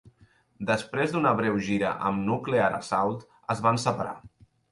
Després d'una breu gira amb Nuclear Assault, es van separar.